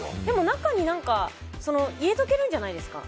中に入れとけるんじゃないですか。